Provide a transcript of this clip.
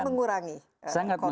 mengurangi korupsi dan lebih efisien